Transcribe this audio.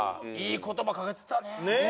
いい言葉かけてたね。